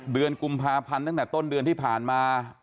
เดือนกุมภาพันธ์ตั้งแต่ต้นเดือนที่ผ่านมา